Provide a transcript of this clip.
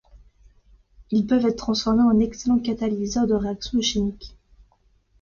Ils peuvent être transformés en excellents catalyseurs de réactions chimiques.